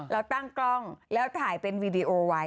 เราตั้งกล้องแล้วถ่ายเป็นวีดีโอไว้